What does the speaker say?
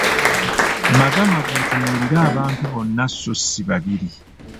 Magamaga otunuulire abantu bonna so si babiri.